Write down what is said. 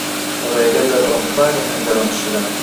ڕێگە دەبڕم، کوانێ هەنگاوم شلە